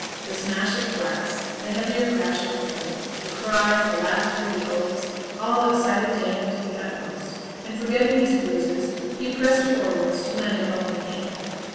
The smash of glass, the heavier crash of wood, the cries, the laughter, the oaths, all excited Daniel to the utmost; and, forgetting his bruises, he pressed forwards to lend a helping hand.